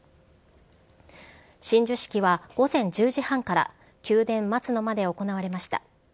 親授式は、午前１０時半から宮殿・松の間で行われました。